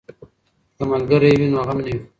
که ملګری وي نو غم نه وي.